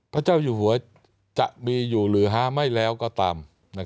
พระเจ้าอยู่หัวจะมีอยู่หรือหาไม่แล้วก็ตาม